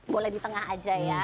boleh di tengah aja ya